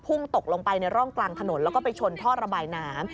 ตกลงไปในร่องกลางถนนแล้วก็ไปชนท่อระบายน้ำ